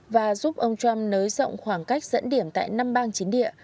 và giúp ông trump nới rộng khoảng cách dẫn điểm tại năm bang chiến địa